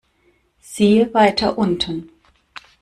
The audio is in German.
Siehe weiter unten.